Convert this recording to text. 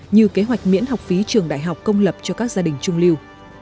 như kế hoạch miễn học phí trường đại học công lập cho các gia đình trung lưu